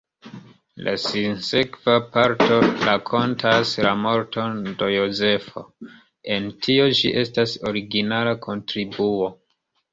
La sinsekva parto rakontas la morton de Jozefo: en tio ĝi estas originala kontribuo.